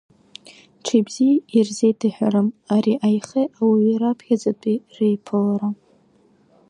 Ҿибзи ирзеиҭаҳәарым ари аихеи ауаҩи раԥхьаӡатәи реиԥылара.